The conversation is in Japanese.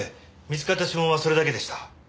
見つかった指紋はそれだけでした。